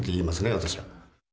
私は。